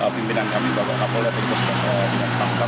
pimpinan kami bapak kapolet itu sudah diangkatkan